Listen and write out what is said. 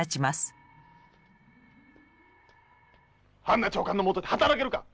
あんな長官のもとで働けるか！